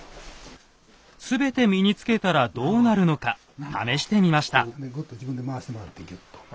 全て身につけたらどうなるのか試してみました。